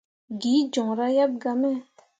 Gee joŋra yeb gah me.